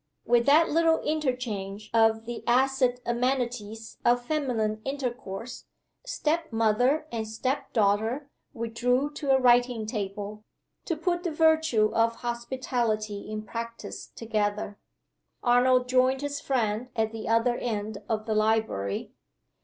With that little interchange of the acid amenities of feminine intercourse, step mother and step daughter withdrew to a writing table, to put the virtue of hospitality in practice together. Arnold joined his friend at the other end of the library.